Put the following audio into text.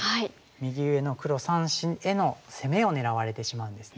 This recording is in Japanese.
右上の黒３子への攻めを狙われてしまうんですね。